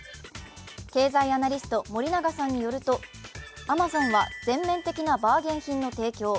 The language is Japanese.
経済アナリスト・森永さんによるとアマゾンは全面的なバーゲン品の提供